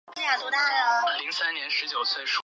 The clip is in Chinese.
通知书。